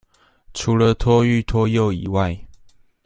除了托育、托幼以外